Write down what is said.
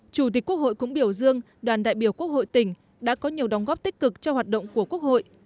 chủ tịch quốc hội cũng biểu dương đoàn đại biểu quốc hội tỉnh đã có nhiều đóng góp tích cực cho hoạt động của quốc hội